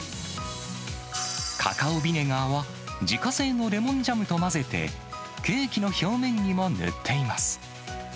カカオビネガーは、自家製のレモンジャムと混ぜて、ケーキの表面にも塗っています。